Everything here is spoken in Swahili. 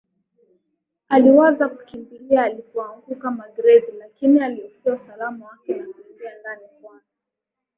Aliwaza kukimbilia alipoanguka Magreth lakini alihofua usalama wake na kuingia ndani kwanza